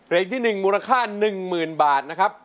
ที่๑มูลค่า๑๐๐๐บาทนะครับ